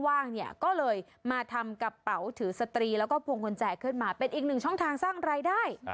ว่างเนี่ยก็เลยมาทำกระเป๋าถือสตรีแล้วก็พวงกุญแจขึ้นมาเป็นอีกหนึ่งช่องทางสร้างรายได้